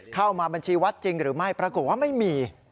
เข้ามาบัญชีวัดจริงหรือไม่ปรากฏว่าไม่มี